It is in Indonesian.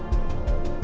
sambil nunggu kita